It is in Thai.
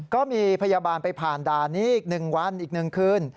ก็มีพยาบาลไปผ่านดานนี้อีกหนึ่งวันอีกหนึ่งคืน